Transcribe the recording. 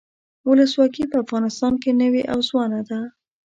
ولسواکي په افغانستان کې نوي او ځوانه ده.